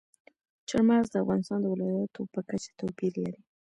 چار مغز د افغانستان د ولایاتو په کچه توپیر لري.